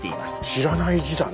知らない字だね。